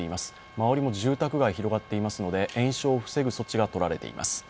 周りも住宅街広がっていますので延焼を防ぐ措置が取られています。